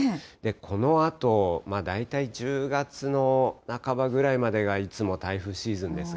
このあと、大体１０月の半ばぐらいまでがいつも台風シーズンです。